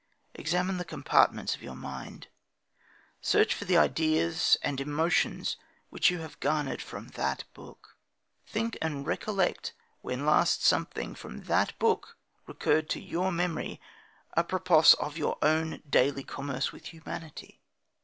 Examine the compartments of your mind. Search for the ideas and emotions which you have garnered from that book. Think, and recollect when last something from that book recurred to your memory apropos of your own daily commerce with humanity.